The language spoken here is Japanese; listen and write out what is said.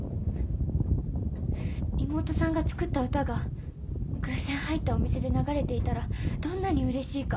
妹さんが作った歌が偶然入ったお店で流れていたらどんなに嬉しいか。